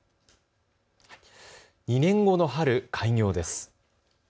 ２年後の春、開業です。